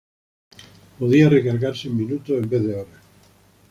Podía recargarse en minutos en vez de horas.